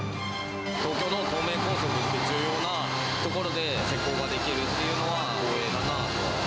東京の東名高速という重要な所で施工ができるっていうのは光栄だなとは。